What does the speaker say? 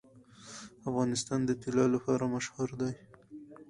افغانستان د طلا لپاره مشهور دی.